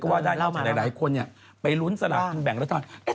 ก็ว่าได้อย่างที่หลายคนไปรุ้นสลากทีมแบ่งรัฐบาล